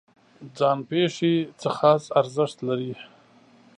ځان پېښې څه خاص ارزښت لري؟